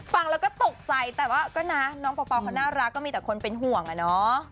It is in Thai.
ฟังแล้วก็ตกใจแต่ว่าก็นะน้องเป่าเขาน่ารักก็มีแต่คนเป็นห่วงอะเนาะ